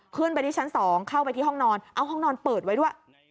ขึ้นไปที่ชั้น๒เข้าไปที่ห้องนอนเอาห้องนอนเปิดไว้ด้วย